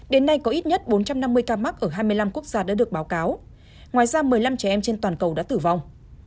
đến nay có ít nhất bốn trăm năm mươi ca mắc ở hai mươi năm quốc gia đã được báo cáo ngoài ra một mươi năm trẻ em trên toàn cầu đã tử vong